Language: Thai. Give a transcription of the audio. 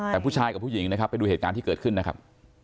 แต่ผู้ชายกับผู้หญิงนะครับไปดูเหตุการณ์ที่เกิดขึ้นนะครับ